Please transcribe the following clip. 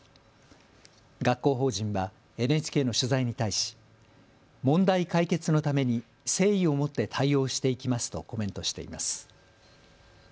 学校法人はＮＨＫの取材に対し問題解決のために誠意を持って対応していきますとコメントしています。